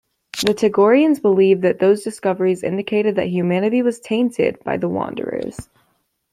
The Tagorians believed that those discoveries indicated that humanity was "tainted" by the Wanderers.